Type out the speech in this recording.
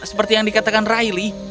seperti yang dikatakan riley